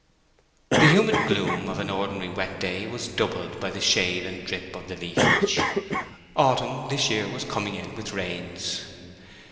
The humid gloom of an ordinary wet day was doubled by the shade and drip of the leafage. Autumn, this year, was coming in with rains.